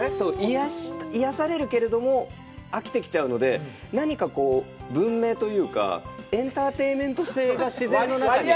癒やされるけれども、飽きてきちゃうので、何か文明というか、エンターテインメント性が自然の中に。